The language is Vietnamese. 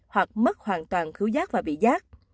hoặc mất hoàn toàn khứu giác và vỉ giác